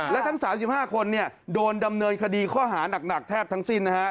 และทั้ง๓๕คนโดนดำเนินคดีข้อหานักแทบทั้งสิ้นนะฮะ